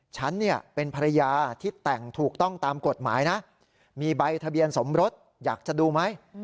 ฉันเนี่ยเป็นภรรยาที่แต่งถูกต้องตามกฎหมายนะมีใบทะเบียนสมรสอยากจะดูไหม